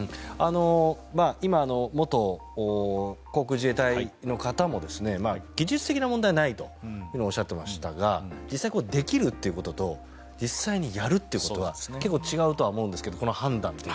今、元航空自衛隊の方も技術的な問題はないとおっしゃっていましたが実際できるということと実際にやるということは結構、違うとは思うんですけどこの判断という。